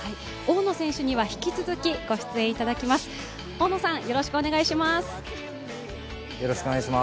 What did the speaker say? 大野選手には引き続き御出演いただきます。